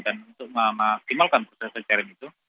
dan untuk memaksimalkan proses pencarian itu